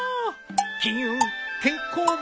金運健康運